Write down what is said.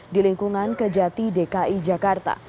di lingkungan kejati dki jakarta